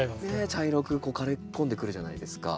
茶色く枯れ込んでくるじゃないですか。